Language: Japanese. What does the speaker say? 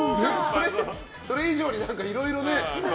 それ以上にいろいろね。